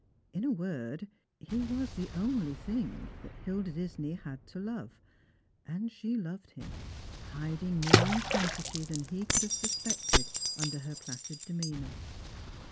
In a word, he was the only thing Hilda Disney had to love, and she loved him, hiding more intensity than he could have suspected under her placid demeanour.